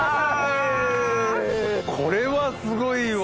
これはすごいわ。